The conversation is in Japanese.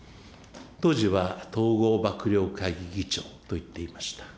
当時は統合幕僚会議議長といっていました。